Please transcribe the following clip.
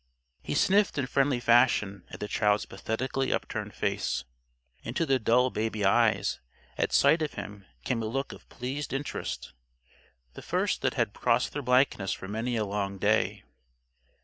He sniffed in friendly fashion at the child's pathetically upturned face. Into the dull baby eyes, at sight of him, came a look of pleased interest the first that had crossed their blankness for many a long day.